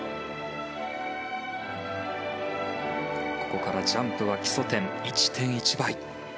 ここからジャンプは基礎点１．１倍。